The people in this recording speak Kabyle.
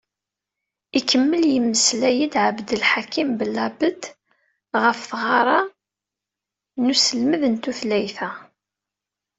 Ikemmel yemmeslay-d, Abdelḥakim Bellabed, ɣef tɣara n uselmed n tutlayt-a.